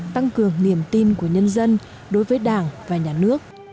tăng cường niềm tin của nhân dân đối với đảng và nhà nước